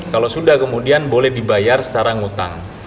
kalau sudah kemudian boleh dibayar secara ngutang